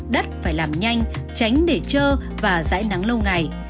đất phải làm nhanh tránh để trơ và dãy nắng lâu ngày